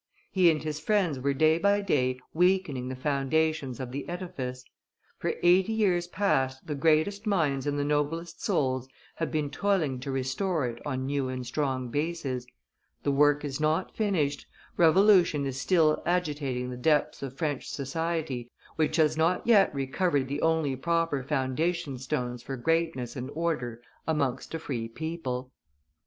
He and his friends were day by day weakening the foundations of the edifice; for eighty years past the greatest minds and the noblest souls have been toiling to restore it on new and strong bases; the work is not finished, revolution is still agitating the depths of French society, which has not yet recovered the only proper foundation stones for greatness and order amongst a free people.